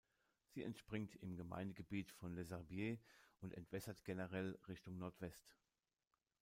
Sie entspringt im Gemeindegebiet von Les Herbiers und entwässert generell Richtung Nordwest.